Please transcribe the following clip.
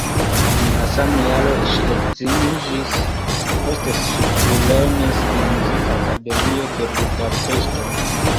En la sama jaro ŝi edziniĝis, poste ŝi plulernis en Muzikakademio de Budapeŝto.